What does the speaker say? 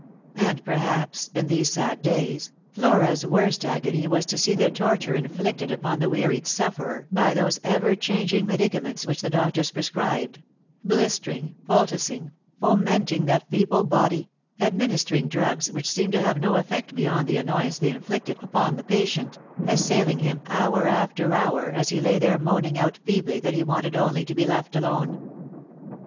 And perhaps, in these sad days, Flora's worst agony was to see the torture inflicted upon the wearied sufferer by those ever changing medicaments which the doctors pre scribed; blistering, poulticing, fomenting that feeble body; administering drugs which seemed to have no effect beyond the annoyance they inflicted upon the patient; assailing him, hour after hour, as he lay there moaning out feebly that he wanted only to be left alone.